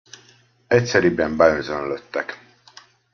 Egyszeriben beözönlöttek.